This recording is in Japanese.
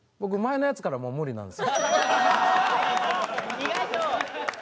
意外と。